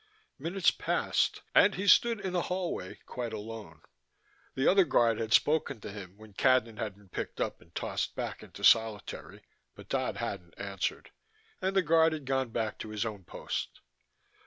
Minutes passed, and he stood in the hallway, quite alone. The other guard had spoken to him when Cadnan had been picked up and tossed back into solitary, but Dodd hadn't answered, and the guard had gone back to his own post.